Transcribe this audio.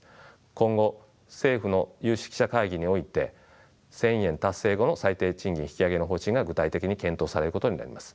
今後政府の有識者会議において１，０００円達成後の最低賃金引き上げの方針が具体的に検討されることになります。